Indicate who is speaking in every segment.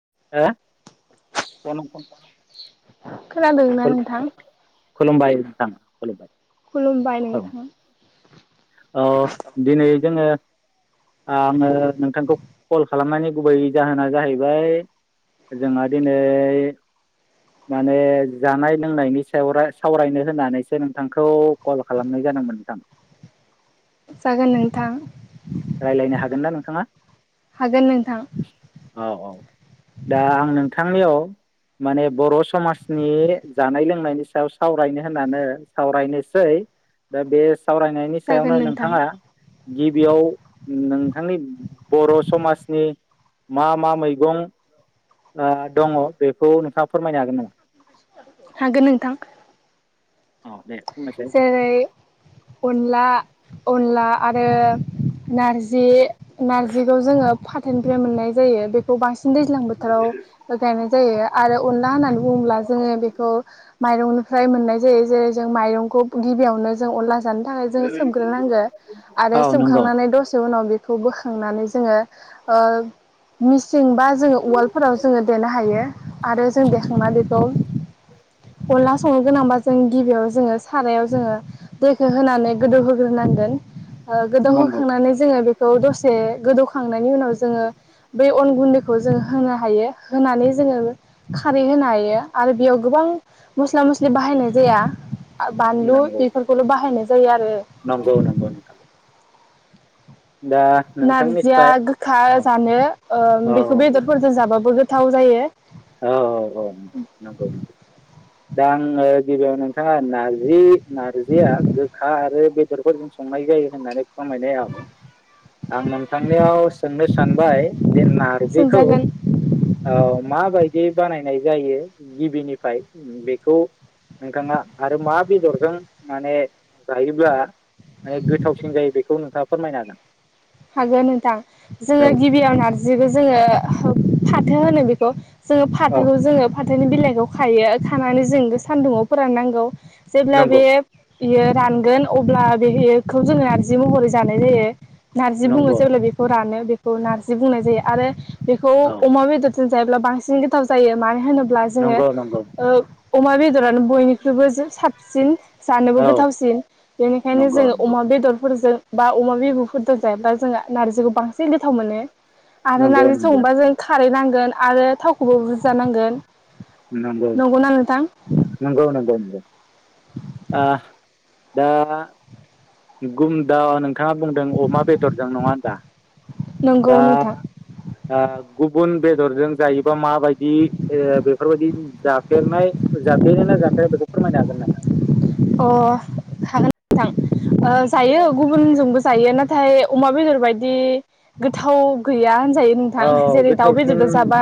Speaker 1: हो [unintelligible]
Speaker 2: [inaudible] खोनादों ना नोंथां?
Speaker 1: खुलुमबाय नोंथां खुलुमबाय।
Speaker 2: खुलुमबाय
Speaker 1: औ
Speaker 2: नोंथां।
Speaker 1: अ दिनै जोङो आङो नोंथांखौ कल खालामनायनि गुबै जाहोना जाहैबाय जोंहा दिनै माने जानाय लोंनायनि सायाव राय सावरायनो होननानैसो नोंथांखौ कल खालामनाय जादोंमोन नोंथां।
Speaker 2: जागोन नोंथां।
Speaker 1: रायलायनो हागोन ना नोंथाङा?
Speaker 2: हागोन नोंथां।
Speaker 1: औ औ दा आं नोंथांनियाव माने बर' समाजनि जानाय लोंनायनि सायाव सावरायनो होननानो सावरायनोसै दा बे सावरायनायनि
Speaker 2: जागोन
Speaker 1: सायावनो
Speaker 2: नोंथां
Speaker 1: नोंथाङा गि बियाव नोंथांनि बर' समाजनि मा मा मैगं ओ दङ' बेखौ नोंथाङा फोरमायनो हागोन नामा?
Speaker 2: हागोन नोंथां।
Speaker 1: औ दे। बुंनायसाय
Speaker 2: जेरै अनला अनला आरो नार्जि नार्जिखौ जोङो फा थोनिफ्राय मोननाय जायो बेखौ बांसिन दैज्लां बोथोराव ओ गायनाय जायो आरो अनला होनानै बुब्ला जोङो बेखौ माइरंनि फ्राय मोननाय जायो जेरै जों माइरं खौ गिबियावनो जों अनला जानो था जोङो सोमग्रोनांगोन आरो
Speaker 1: औ नंगौ
Speaker 2: सोमखांनानै दसे उनाव बे खौ बोखांनानै जोङो ओ मिस जोंबा जोङो उवालफोराव जोङो देनो हायो। आरो जों देखांनानै बेखौ अनला संनो गोनांबा जों गिबियाव जोङो सारायाव जोङो दैखौ होनानै गोदौहोग्रोनांगोन। ओ गोदाव
Speaker 1: नंगौ
Speaker 2: होखांनानै जोङो बेख बेखौ दसे गोदौखांनाय बेनि उनाव जोङो बे अन गुन्दैख खौ जों होनो हायो होनानै जोङो खारै होनो हायो आरो बेयाव गोबां मस्ला मस्लि बाहायनाय जाया ओ बानलु
Speaker 1: नंगौ
Speaker 2: बिफोरखौल बाहायनाय जायो आरो
Speaker 1: नंगौ नंगौ नोंथां दा
Speaker 2: नारजिया
Speaker 1: नोंथांनिफ्राय
Speaker 2: गोखा
Speaker 1: औ
Speaker 2: जानो ओ
Speaker 1: औ
Speaker 2: बेखौ बेदरफोरजों जाबाबो गोथ गोथाव जायो।
Speaker 1: औ औ औ नंगौ नंगौ दा आङो गिबियावनो नों [unintelligible] नारजि नारजिया गोखा आरो बे [unintelligible] संनाय जायो होननानै [unintelligible] आं नोंथांनियाव सोंनो सानबाय जे नारजिखौ
Speaker 2: सोंजागोन
Speaker 1: ओ मा बाय दि बानायनाय जायो गिबिनिफ्राय बेखौ नोंथाङा आरो मा बेदरजों माने जायोब्ला ओ गोथावसिन जायबाय बे खौ नोंथाङा फोरमायनो हागोन?
Speaker 2: हागोन नोंथां जोङो गिबियाव नारजिबो जोङो फाथो होनो बिखौ। जोङो
Speaker 1: औ औ
Speaker 2: फाथोखौ जोङो फाथ फाथोनि बिलाइखौ खायो खानानै जों सान्दुङआव फोराननांगौ। जेब्ला
Speaker 1: नंगौ
Speaker 2: बेयो बियो रानगोन अब्ला बेखौ जोङो नारजि महरै जानाय जायो। नार्जि बुङो
Speaker 1: नंगौ
Speaker 2: जेब्ला बेखौ रानो बेखौ नारजि बुंनाय जायो आरो बेखौ
Speaker 1: औ
Speaker 2: अमा बेदर जायोब्ला बांसिन गोथाव जायो मानो होनो ब्ला जोङो
Speaker 1: नंगौ नंगौ
Speaker 2: ओ अमा बेदरानो बयनिख्रुइबो साबसिन जानोबो
Speaker 1: औ
Speaker 2: गोथावसिन बेनिखायनो
Speaker 1: नंगौ
Speaker 2: जोङो
Speaker 1: नंगौ
Speaker 2: अमा बेदरफोरजों बा उमा बेबु फोरदों जायोब्ला जोंहा नारजिखौ बांसिन गोथाव मोनो आरो
Speaker 1: नंगौ
Speaker 2: नारजि
Speaker 1: नंगौ
Speaker 2: संबा जों खारै नां गोन आरो थावखौबो बुजानांगोन।
Speaker 1: नंगौ नंगौ नंगौ नंगौ। आ दा गुमदा नों थाङा बुंदों अमा बेदरजों नङा होनदा दा
Speaker 2: नंगौ नोंथां
Speaker 1: ओ गुबुन बेदरजों जायो बा माबायदि ओ बेफोरबायदि जाफेरनाय जाफेरो ना जाफेरा बेखौ फोरमायनो हागोन नामा?
Speaker 2: अ हागोन नोंथां। ओ जायो गुबुनजोंबो जायो नाथाय अमा बेदर बायदि गोथाव गैया होन जायो नोंथां
Speaker 1: औ
Speaker 2: जेरै दाउ
Speaker 1: गोथावसिन
Speaker 2: बेदरदो जाबा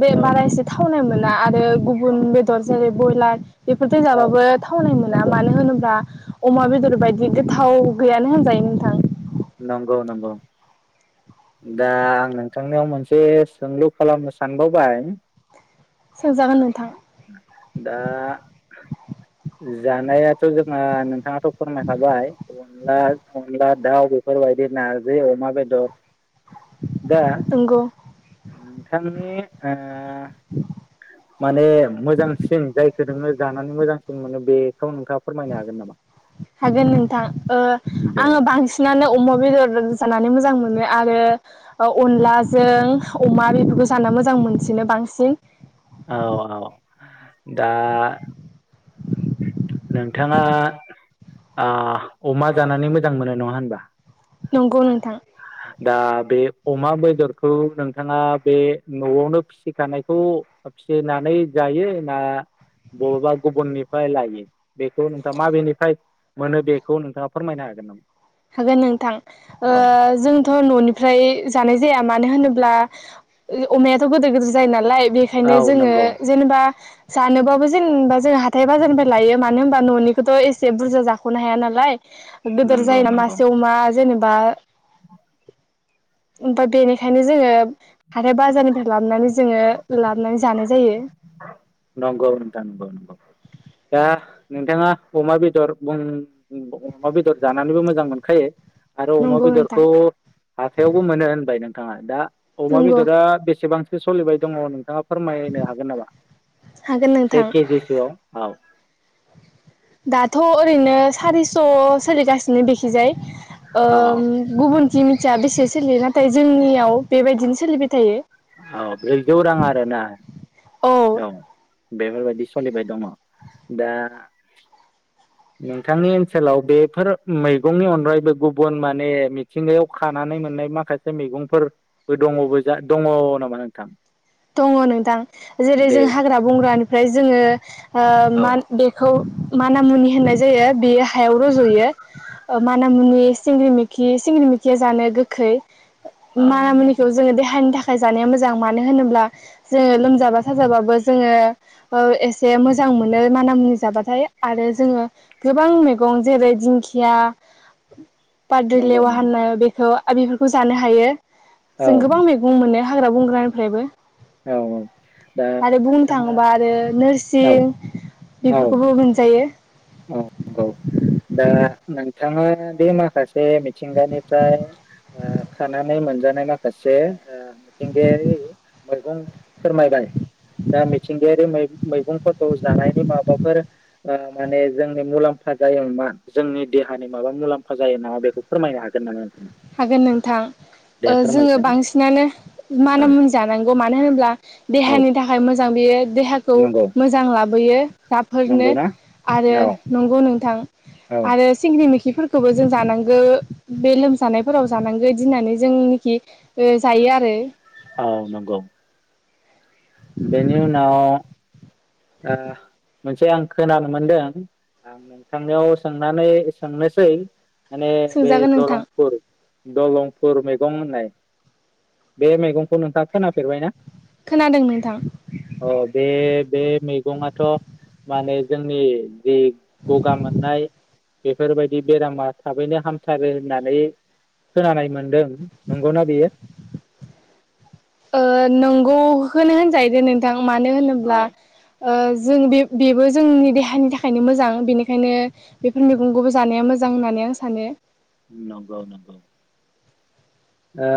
Speaker 2: बे
Speaker 1: औ
Speaker 2: बारा एसे थावनाय मोन [unintelligible] ओ गुबन बेदर जेरै बयलार बेफोरजों
Speaker 1: औ
Speaker 2: जाबाबो थाव थावनाय मोना
Speaker 1: नंगौ
Speaker 2: मानो होनोब्ला अमा बेदर बायदि गोथाव गैयानो होनजायो नोंथां।
Speaker 1: नंगौ नंगौ। दा आं नोंथांनियाव मोनसे सोंलु खालामनो सानबावबाय?
Speaker 2: सोंजागोन नोंथां
Speaker 1: दा जानायाथ' जोंहा नों थाङाथ' फोरमायखाबाय अनला अनला दाउ बेफोरबायदि नारजै अमा बेदर। दा
Speaker 2: नंगौ
Speaker 1: नोंथांनि ओ माने मोजांसिन जाय खो नोङो जानानै मोजांसिन मोनो बे
Speaker 2: हागोन नोंथां ओ
Speaker 1: दे
Speaker 2: आङो बांसिनानो अमा बेदर जानानै मोजां मो नो आरो ओ अनलाजों अमा बेफोरखौ जाना मोजां मोनसिनो बांसिन।
Speaker 1: औ औ दा नोंथाङा आ अमा जानानै मोजां मोनो नङा होनबा?
Speaker 2: नंगौ नोंथां।
Speaker 1: दा बे अमा बेदरखौ नोंथाङा बे न'आवनो फिसिखानायखौ फिसिनानै जायो ना बबेबा गुबुनिफाय लायो बेखौ नोंथाङा माबेनिफाय मोनो बेखौ नोंथाङा फोरमायनो हागोन नामा?
Speaker 2: हागोन नोंथां ओ
Speaker 1: औ
Speaker 2: जों थ न'निफ्राय जानाय जाया मानो होनोब्ला ओ अमायाथ' गिदिर गिदिर जायो नालाय।
Speaker 1: औ
Speaker 2: बेखायनो जोङो
Speaker 1: नंगौ
Speaker 2: जेनेबा जानोबाबो जेनबा जों हाथाइ बाजारनिफाय लायो मानो होनबा न'निखौथ' एसे बुरजा जाख'नो हाया नालाय। गोदोर
Speaker 1: नंगौ
Speaker 2: जायो ना
Speaker 1: नंगौ
Speaker 2: मासे अमा जेने बा ओमफाय बेनिखायनो जोङो हाथाइ बाजारनिफ्राय लाबनानै जोङो लाबनानै जानाय जायो।
Speaker 1: नंगौ नोंथां नंगौ नंगौ दा नोंथाङा अमा बेदर अमा बेदर जानानैबो मोजां मोनखायो आरो अमा
Speaker 2: नंगौ नोंथां
Speaker 1: बेदरखौ हाथायावबो मोनो होनबाय नों थाङा दा अमा
Speaker 2: नंगौ
Speaker 1: बेदरा बेसेबां बे सलिबाय दङ नोंथाङा फोरमायनो हागोन नामा?
Speaker 2: हागोन
Speaker 1: से
Speaker 2: नोंथां
Speaker 1: केजि सो आव औ
Speaker 2: दाथ' ओरैनो सारिस' सोलिगासिनो बेखिजाय ओ
Speaker 1: औ
Speaker 2: गुुबुनथिं थिआ बेसे सोलियो नाथाय जोंनियाव बेबायदिनो सोलिबाय थायो
Speaker 1: औ ब्रैजौ रां आरो ना? औ बेफोरबायदि सोलिबाय दङ। दा नोंथांनि ओनसोलाव बेफोर मैगंनि अनगायैबो गुबुन माने मिथिंगायाव खानानै मोननाय माखासे मैगंफोरबो दङबोजा, दङ नामा नोंथां?
Speaker 2: दङ नोंथां।
Speaker 1: दे
Speaker 2: जेरै-जों हाग्रा-बंग्रानिफ्राय जोङो ओ मा
Speaker 1: औ
Speaker 2: बेखौ माना-मुनि होननाय जायो, बेयो हायाव रज'यो ओ माना-मुनि, सिंग्रिमैखि, सिंग्रि मैखिया जानो गोखै।
Speaker 1: औ नंगौ
Speaker 2: मानामुनिखौ जोङो देहानि थाखा जानाया मोजां। मानो होनोब्ला जोङो लोमजाबा-साजाबाबो जोङो ओ एसे मोजां मोनो माना-मुनि जाबाथाय आरो जोङो गोबां मैगं जेरै- दिंखिया बाद्रि
Speaker 1: नंगौ
Speaker 2: लेवा
Speaker 1: नंगौ
Speaker 2: होनो बेखौ ओ बेफोरखौ जानो हायो।
Speaker 1: औ
Speaker 2: जों गोबां मैगं मोननो हाग्रा-बंग्रानिफ्रायबो
Speaker 1: औ दा
Speaker 2: आरो बुंनो
Speaker 1: नोंथाङा
Speaker 2: थाङोबा आरो
Speaker 1: औ
Speaker 2: नोरसिं बेफोरखौबो मोनजायो।
Speaker 1: औ औ दा नोंथाङा बे माखासे बे मिथिंगानिफ्राय ओ‌ खानानै मोनजानाय माखासे ओ मिथिंगायारि मैगं फोरमायबाय दा मिथिंगारि मै मैगंफोरखौ जानायनि माबाफोर ओ माने जोंनि मुलाम्फा जायो नामा, जोंनि देहानि माबा मुलाम्फा जायो नामा बेखौ फोरमायनो हागोन नामा? नोंथां?
Speaker 2: हागोन नोंथां।
Speaker 1: दे
Speaker 2: ओ जोङो
Speaker 1: फोरमायसै
Speaker 2: बांसिनानो
Speaker 1: औ
Speaker 2: माना-मुनि जानांगौ मानो होनोब्ला
Speaker 1: औ
Speaker 2: देहानि थाखाय मोजां बियो। देहाखौ
Speaker 1: नंगौ
Speaker 2: मोजां लाबोयो राफोरनो
Speaker 1: नंगौना
Speaker 2: आरो
Speaker 1: औ
Speaker 2: नंगौ नोंथां।
Speaker 1: औ
Speaker 2: आरो सिंग्रिमै खिफोरखौबो जों जानांगौ बे लोम जानायफोराव जानांगौ इदि होननानै जोंनिखि जायो आरो।
Speaker 1: औ नंगौ। बेनि उनाव ओ मोनसे आं खोनानो मोनदों आं नोंथांनिआव सोंनानै सोंनोसै माने बे
Speaker 2: सोंजागोन नोंथां
Speaker 1: दलांपुर। दलंफुर मैगं होननाय बे मैगंखौ नोंथाङा खोनापेरजायै आं?
Speaker 2: खोनादों नोंथां
Speaker 1: अ बे बे। मैगंयाथ' माने जोंनि। जे गगा मोननाय। बेफोरबायदि बेरामा थाबैनो हामथारो होननानै खोनानाय मोनदों नंगौना बेयो?
Speaker 2: ओ नंगौ होनो होनजाहैदो नोंथां। मानो
Speaker 1: औ
Speaker 2: होनोब्ला ओ जों बे बेबो जोंनि देहानि थाखायनो मोजां बेनिखायनो बेफोर मैगंखौबो जानाया मोजां होननानै आं सानो।
Speaker 1: नंगौ नगौ। ओ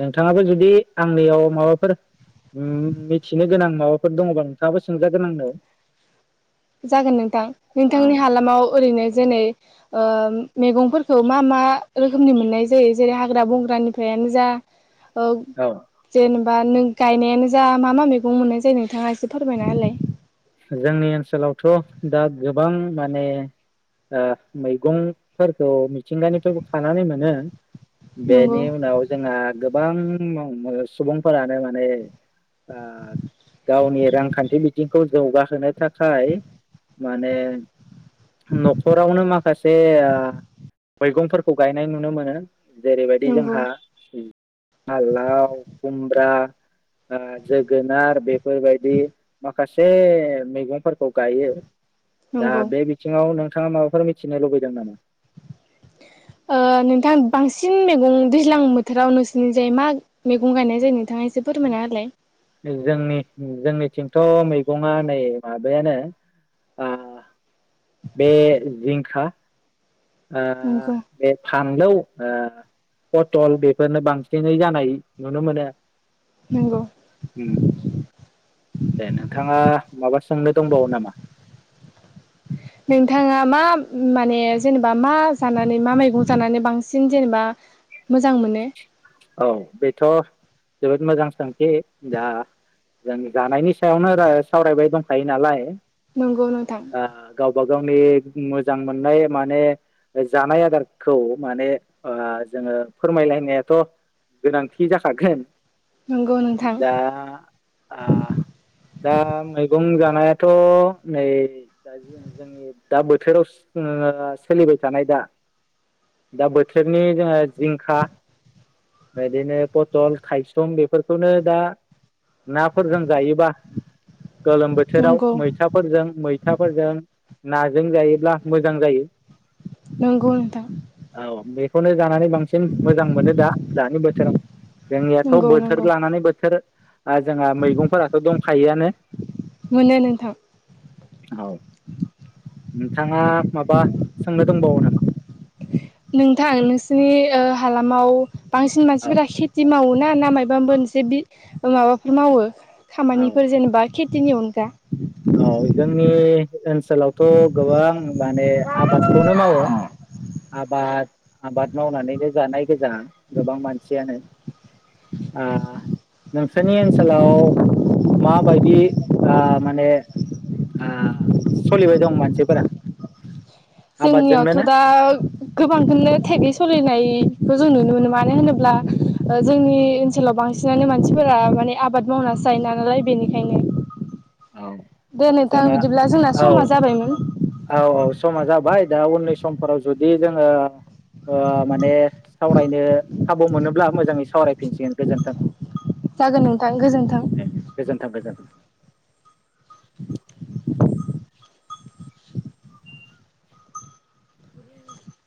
Speaker 1: नोंथाङाबो जुदि आंनियाव माबाफोर उम मिथिनो गोनां माबाफोर दङबा नोंथाङाबो सोंजागोन आंनाव।
Speaker 2: जागोन नोंथां नोंथांनि हालामाव ओरैनो जेनै। ओ मैगंफोरखौ मा मा रोखोमनि मोननाय जायो जेरै हाग्रा बंग्रानिफ्रायनो जा। औ जेन हा नों गायनायानो जा मा मा मैगं मोननाय जायो नोंथाङा एसे फोरमायना होलाय।
Speaker 1: जोंनि ओनसोलावथ दा गोबां माने ओ मैगंफोर। थ मिथिंगानिफ्रायबो खानानै मोनो।
Speaker 2: नंगौ
Speaker 1: बेनि उनाव जोंहा गो बां [unintelligible] सुबुंफोरानो माने। ओ गावनि रांखान्थि बिथिंखौ। जौगाहोनो थाखाय माने। नखरावनो माखासे। ए ओ मैगंफोरखौ गायनाय नुनो मोनो। जेरैबायदि
Speaker 2: नंगौ
Speaker 1: जोंहा हाल लाव खुम ब्रा ओ जोगोनार बेफोरबायदि माखासे। से मैगंफोरखौ गायो। दा
Speaker 2: नंगौ
Speaker 1: बे बिथिंयाव नों नोंथाङा माबाफोर मिथिनो लुबैदों नामा।
Speaker 2: ओ नोंथां बांसि सिन मैगं दैज्लां बोथोराव नोंसोरनि जायो मा मैगं गायनाय जायो नोंथाङा एस से फोरमायना होलाय
Speaker 1: जोंनि जोंनिथिंथ मैगङा नै माबायानो आ बे जिंखा ओ
Speaker 2: नंगौ
Speaker 1: बे फानलौ ओ पटल बेफोरनो बांसिनै जानाय नुनो मोनो।
Speaker 2: नंगौ
Speaker 1: उम दे नोंथांङा माबा सोंनो दंबावो नामा
Speaker 2: नोंथांङा मा माने जेनेबा मा जानानै मा मैगं जानानै बांसिन जेनेबा मोजां मोनो
Speaker 1: औ बेथ' जोबोद मोजां सोंथि दा जों जानायनि सायावनो रा सावरायबाय दंखायो नालाय
Speaker 2: नंगौ नोंथां
Speaker 1: बा गावनि मोजां मोननाय माने जानाय आदारखौ माने ओ जोंङो फोरमायलायनायाथ' गोनांथि जाखागोन।
Speaker 2: नंगौ नोंथां
Speaker 1: दा आ दा मै गं जानायाथ' नै दा जोंनि दा बोथोराव जो सोलिबाय थानाय दा दा बोथोरनि जोंङो जिंखा बिदिनो पथल खायसं बेफोरखौनो दा नाफोरजों जायोबा गोलोम बोथोराव
Speaker 2: नंगौ
Speaker 1: मैथाफोरजों मैथाफोरजों नाजों जायोब्ला मोजां जायो।
Speaker 2: नंगौ नोंथां
Speaker 1: औ बेखौनो जानानै बांसिन मोजां मोनो दा बोथोराव जोंनियाथ'
Speaker 2: नंगौ
Speaker 1: बोथोर
Speaker 2: नंगौ
Speaker 1: लानानै बोथोर [unintelligible] आरो जोंहा मैगंफोराथ' दंखायोआनो
Speaker 2: मोनो नोंथां
Speaker 1: औ नोंथांङा माबा सोंनो दोंबावो नामा
Speaker 2: नोंथां नोंसिनि ओ हालामाव बांसिन
Speaker 1: औ
Speaker 2: मानसिफोरा खेथि मावोना ना मायबा मोनसे बि माबाफोर मावो
Speaker 1: औ
Speaker 2: खामानिफोर जेनेबा खेथिनि अनगा
Speaker 1: औ जोंनि ओनसोलावथ' गोबां माने आबादखौनो मावो आबाद आबाद मावनानैनो जानाय गोजा गोबां मानसियानो ओ नोंसोरनि ओनसोलाव माबायदि ओ माने ओ सलिबाय दं मानसिफोरा आबादजोंनो
Speaker 2: जोंनियावथ'
Speaker 1: ना
Speaker 2: दा गोबांखौनो थेगै सलिनाय खौ जों नुनो मोनो मानो होनोब्ला जोंनि ओनसोलाव बांसिनानो मानसिफोरा माने आबाद मावनासो जायो नालाय बेनिखायनो
Speaker 1: औ
Speaker 2: दे नोंथां
Speaker 1: जोंहा
Speaker 2: बिदिब्ला जोंना समा
Speaker 1: औ
Speaker 2: जाबायमोन
Speaker 1: औ औ समा जाबाय दा उननि समफोराव जुदि जोंङो ओ माने सावरायनो खाबु मोनोब्ला मोजांङै सावरायफिनसिगोन गोजोन्थों
Speaker 2: जागोन नोंथां गोजोनथों
Speaker 1: गोजोन्थों [inaudible]